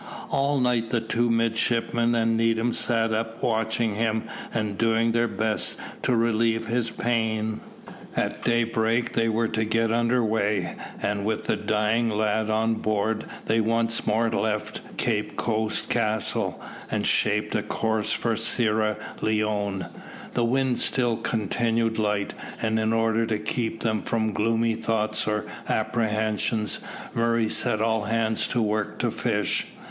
All night the two midshipmen and Needham sat up watching him, and doing their best to relieve his pain. At daybreak they were to get under weigh, and with the dying lad on board they once more left Cape Coast Castle and shaped a course for Sierra Leone. The wind still continued light, and in order to keep them from gloomy thoughts or apprehensions, Murray set all hands to work to fish.